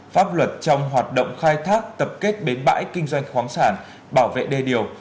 pháp luật trong hoạt động khai thác tập kết bến bãi kinh doanh khoáng sản bảo vệ đê điều